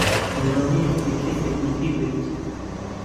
لەوانەیە کێشەی تەکنیکی بێت